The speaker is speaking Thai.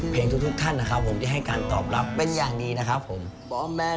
ทุกท่านนะครับผมที่ให้การตอบรับเป็นอย่างดีนะครับผม